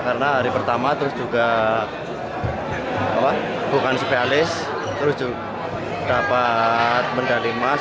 karena hari pertama terus juga bukan spialis terus juga dapat medali emas